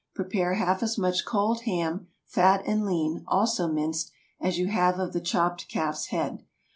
Prepare half as much cold ham, fat and lean—also minced—as you have of the chopped calf's head.